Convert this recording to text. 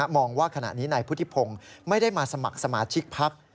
ว่าขณะนี้นายพุทธิพงศ์ไม่ได้มาสมัครสมาชิกพัก